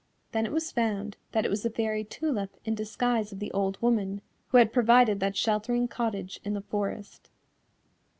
Then it was found that it was the Fairy Tulip in disguise of the old woman who had provided that sheltering cottage in the forest.